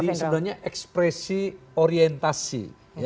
jadi sebenarnya ekspresi orientasi